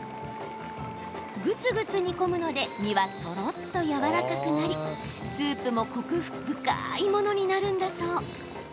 ぐつぐつ煮込むので身はとろっとやわらかくなりスープもコク深いものになるんだそう。